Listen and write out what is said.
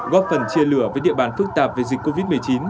góp phần chia lửa với địa bàn phức tạp về dịch covid một mươi chín